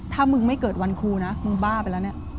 ถ้ามึงไม่เกิดวันครูนะมึงบ้าไปแล้วเนี่ย